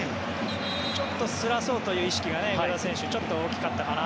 ちょっとすらそうという意識が上田選手はちょっと大きかったかな。